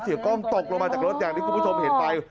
กล้องตกลงมาจากรถอย่างที่คุณผู้ชมเห็นไป